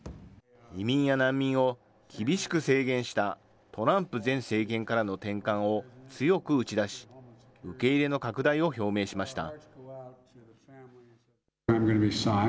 移民や難民を厳しく制限したトランプ前政権からの転換を強く打ち出し、受け入れの拡大を表明しました。